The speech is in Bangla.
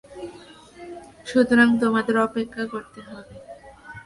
সুতরাং তোমাদের অপেক্ষা করতে হবে।